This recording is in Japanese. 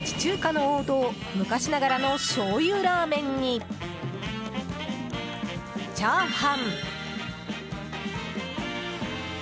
町中華の王道昔ながらのしょうゆラーメンにチャーハン。